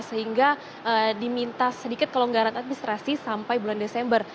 sehingga diminta sedikit kelonggaran administrasi sampai bulan desember